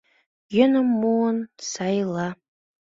Йӧным муын, сай ила